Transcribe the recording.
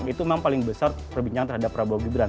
itu memang paling besar perbincangan terhadap prabowo gibran